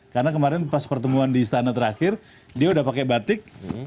karena kemarin pas pertemuan di istana terakhir dia udah pakai batik